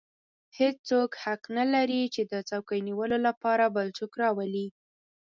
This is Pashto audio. هېڅوک حق نه لري چې د څوکۍ نیولو لپاره بل څوک راولي.